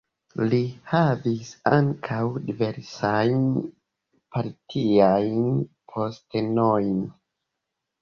Li havis ankaŭ diversajn partiajn postenojn.